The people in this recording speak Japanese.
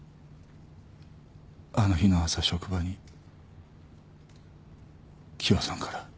あの日の朝職場に喜和さんから。